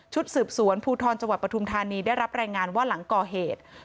สืบสวนภูทรจังหวัดปฐุมธานีได้รับรายงานว่าหลังก่อเหตุ